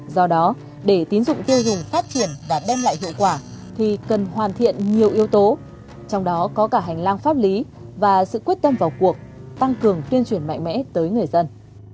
do đó để tín dụng tiêu dùng phát triển và đem lại hiệu quả thì cần hoàn thiện nhiều yếu tố trong đó có cả hành lang pháp lý và sự quyết tâm vào cuộc tăng cường tuyên truyền mạnh mẽ tới người dân